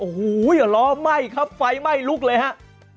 โอ้โหล้อไหม้ครับไฟไหม้ลุกเลยฮะ